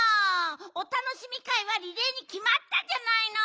おたのしみかいはリレーにきまったじゃないの！